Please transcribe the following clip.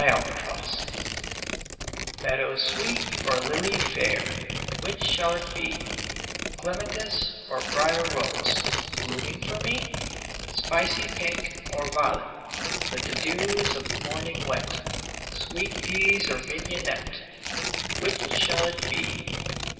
CHOOSING Meadow sweet or lily fair — Which shall it be ? Clematis or brier rose, Blooming for me ? Spicy pink, or violet With the dews of morning wet, Sweet peas or mignonette — Which shall it be